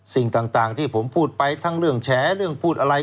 สิ่งต่างที่ผมพูดไปทั้งเรื่องแฉเรื่องพูดอะไร